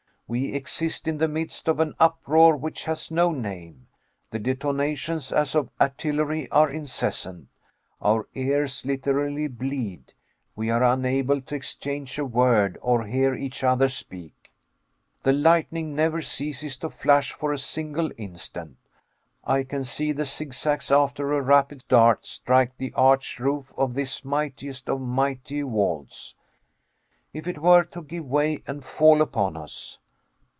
We exist in the midst of an uproar which has no name. The detonations as of artillery are incessant. Our ears literally bleed. We are unable to exchange a word, or hear each other speak. The lightning never ceases to flash for a single instant. I can see the zigzags after a rapid dart strike the arched roof of this mightiest of mighty vaults. If it were to give way and fall upon us!